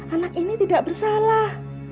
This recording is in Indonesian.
anak ini tidak bersalah